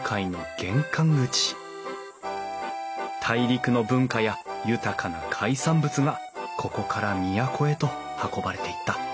大陸の文化や豊かな海産物がここから都へと運ばれていった。